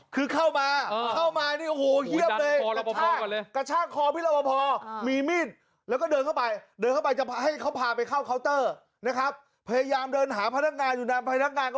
เกี่ยวป่ะให้ตอนนี้ร้อยเกี่ยวกับสร้างไว้นิดนึง